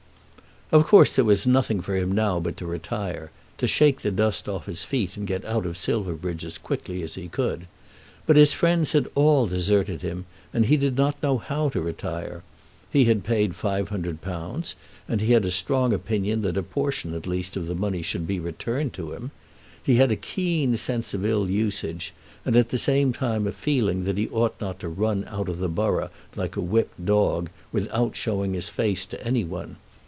Of course there was nothing for him now but to retire; to shake the dust off his feet and get out of Silverbridge as quickly as he could. But his friends had all deserted him and he did not know how to retire. He had paid £500, and he had a strong opinion that a portion at least of the money should be returned to him. He had a keen sense of ill usage, and at the same time a feeling that he ought not to run out of the borough like a whipt dog, without showing his face to any one.